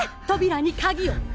扉に鍵を！